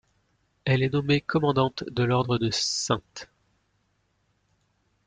Elle est nommée commandante de l'Ordre de St.